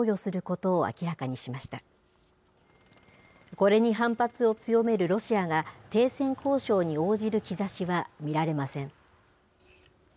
これに反発を強めるロシアが停戦交渉に応じる兆しは見られません。